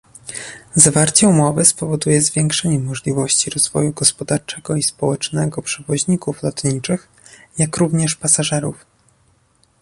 Zawarcie umowy spowoduje zwiększenie możliwości rozwoju gospodarczego i społecznego przewoźników lotniczych, jak również pasażerów